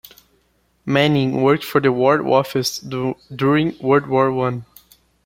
Manning worked for the War Office during World War One.